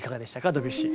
ドビュッシー。